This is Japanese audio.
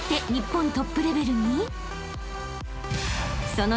［その］